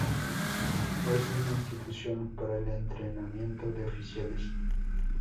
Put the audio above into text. Es una institución para el entrenamiento de oficiales.